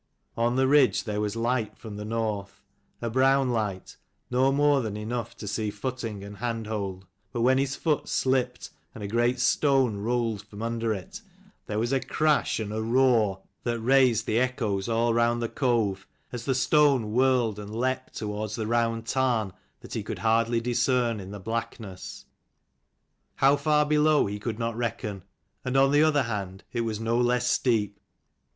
On the ridge there was light from the north, a brown light, no more than enough to see footing and hand hold. But when his foot slipped, and a great stone rolled from under it, there was a crash and a roar that 286 raised the echoes all round the cove, as the stone whirled and leapt towards the round tarn that he could hardly discern in the blackness, how far below he could not reckon. And on the other hand it was no less steep.